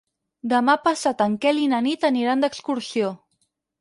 Demà passat en Quel i na Nit aniran d'excursió.